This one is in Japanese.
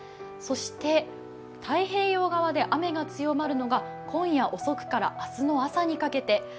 そして太平洋側で雨が強まるのが今夜遅くから明日の朝にかけて。